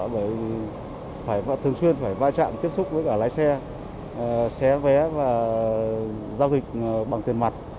vãi trạm tiếp xúc với cả lái xe xe vé và giao dịch bằng tiền mặt